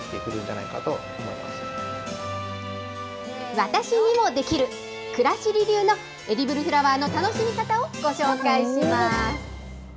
私にもできる、くらしり流のエディブルフラワーの楽しみ方をご紹介します。